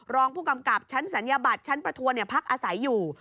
รองผู้กำกับชั้นศัลยบัตรชั้นประทวนพักอาศัยอยู่